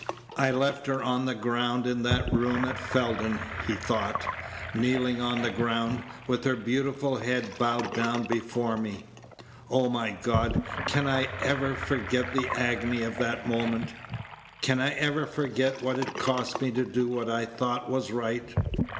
"I left her on the ground in that room at Felden," he thought "kneeling on the ground, with her beautiful head bowed down before me. O my God, can I ever forget the agony of that moment? Can I ever forget what it cost me to do what I thought was right?"